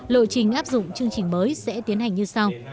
lộ trình áp dụng chương trình mới sẽ tiến hành như sau